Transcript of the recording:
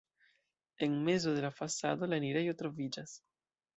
En mezo de la fasado la enirejo troviĝas.